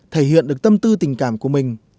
thể hiện được tâm tư tình cảm của mình